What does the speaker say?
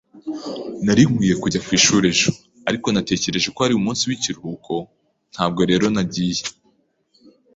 Nari nkwiye kujya ku ishuri ejo, ariko natekereje ko ari umunsi w'ikiruhuko, ntabwo rero nagiye.